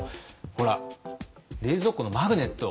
ほら冷蔵庫のマグネット。